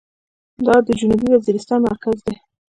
دا د جنوبي وزيرستان مرکز دى.